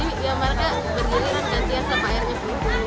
jadi ya mereka bergiliran gantiin sama airnya dulu